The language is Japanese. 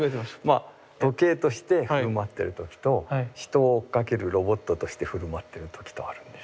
時計としてふるまってる時と人を追っかけるロボットとしてふるまってる時とあるんです。